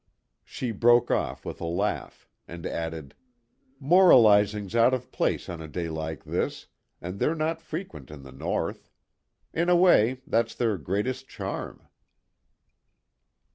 She broke off with a laugh, and added: "Moralising's out of place on a day like this, and they're not frequent in the North. In a way, that's their greatest charm."